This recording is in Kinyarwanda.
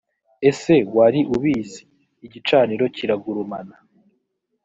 ese wari ubizi ? igicaniro kiragurumana